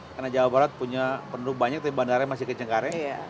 karena jawa barat punya penduduk banyak tapi bandaranya masih ke cengkareng